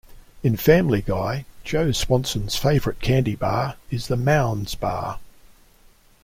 In "Family Guy", Joe Swanson's favorite candy bar is the Mounds bar.